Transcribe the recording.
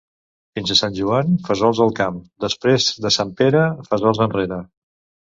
Fins a Sant Joan, fesols al camp; després de Sant Pere, fesols enrere.